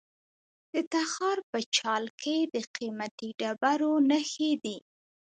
د تخار په چال کې د قیمتي ډبرو نښې دي.